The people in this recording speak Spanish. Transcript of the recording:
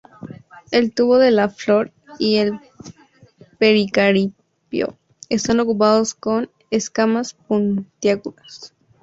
El tubo de la flor y el pericarpio están ocupados con escamas puntiagudas.